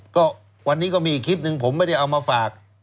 ก็วันนี้ก็มีอีกคลิปหนึ่งผมไม่ได้เอามาฝาก